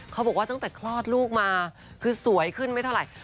เขาบอกว่าตั้งแต่คลอดลูกมาคือสวยขึ้นไม่เท่าไหร่